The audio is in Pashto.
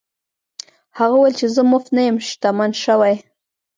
هغه وویل چې زه مفت نه یم شتمن شوی.